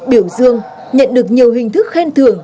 biểu dương nhận được nhiều hình thức khen thưởng